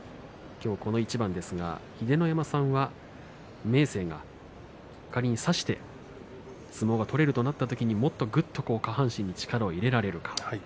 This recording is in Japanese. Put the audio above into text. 今日この一番ですが秀ノ山さんは明生が仮に差して相撲が取れるとなった時にもっとぐっと下半身に力を入れられるか。